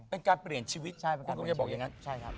เป็นการเปลี่ยนชีวิตคุณต้องอย่าบอกอย่างนั้น